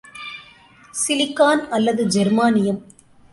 Silicon அல்லது ஜெர்மானியம்.